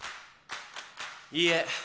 いいえ。